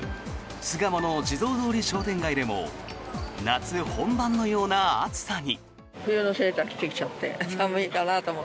巣鴨の地蔵通り商店街でも夏本番のような暑さに。